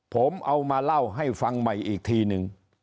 ผมเอามาเล่าให้ฟังใหม่อีกทีนึง